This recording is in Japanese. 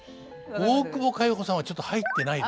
大久保佳代子さんはちょっと入ってないです。